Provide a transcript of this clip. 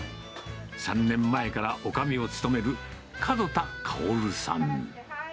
３年前からおかみを務める、門田薫さん。